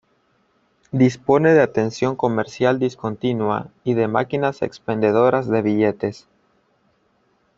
Dispone de atención comercial discontinua y de máquinas expendedoras de billetes.